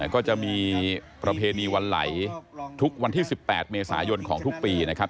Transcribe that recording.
ก็จะมีประเพณีวันไหลทุกวันที่๑๘เมษายนของทุกปีนะครับ